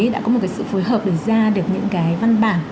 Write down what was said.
đã có một cái sự phối hợp để ra được những cái văn bản